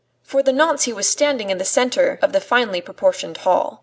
For the nonce he was standing in the centre of the finely proportioned hall.